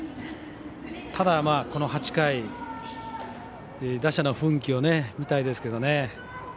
ただ、この８回、打者の奮起を見たいですけどね。